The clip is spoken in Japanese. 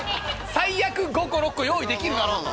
最悪５個６個用意できるだろうと。